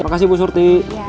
terima kasih bu surti